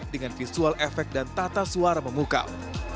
dengan visual efek dan tata suara memukau